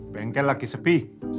bengkel lagi sepi